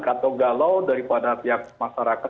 atau galau daripada pihak masyarakat